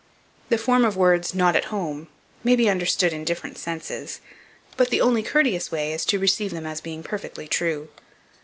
The form of words, "Not at home," may be understood in different senses; but the only courteous way is to receive them as being perfectly true.